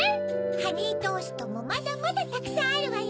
ハニートーストもまだまだたくさんあるわよ。